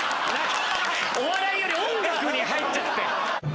お笑いより音楽に入っちゃって。